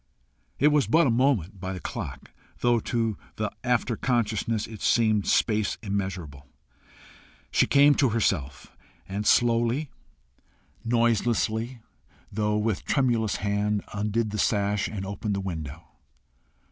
It was but a moment by the clock, though to the after consciousness it seemed space immeasurable. She came to herself, and slowly, noiselessly, though with tremulous hand, undid the sash, and opened the window.